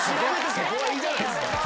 そこはいいじゃないですか。